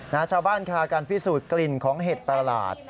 ชาวบ้านคาการพิสูจน์กลิ่นของเห็ดประหลาด